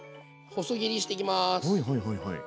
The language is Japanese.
はいはいはいはい。